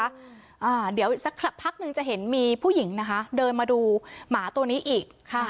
อ่าเดี๋ยวสักพักหนึ่งจะเห็นมีผู้หญิงนะคะเดินมาดูหมาตัวนี้อีกค่ะ